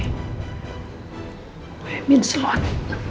wah min selamat